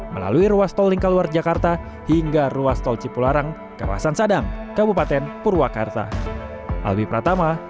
melalui ruas tol lingkaluar jakarta hingga ruas tol cipularang kawasan sadang kabupaten jepang